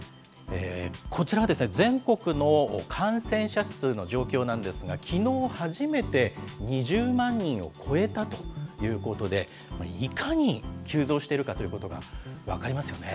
こちらは全国の感染者数の状況なんですが、きのう初めて２０万人を超えたということで、いかに急増しているかということが分かりますよね。